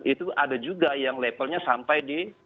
itu ada juga yang levelnya sampai di